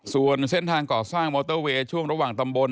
ส่วนเส้นทางก่อสร้างมอเตอร์เวย์ช่วงระหว่างตำบล